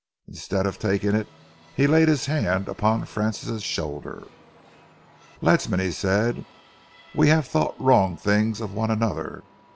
Instead of taking it, he laid his hand upon Francis' shoulder. "Ledsam," he said, "we have thought wrong things of one another.